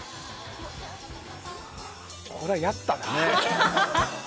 これはやったな。